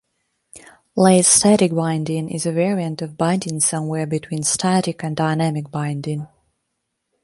Late static binding is a variant of binding somewhere between static and dynamic binding.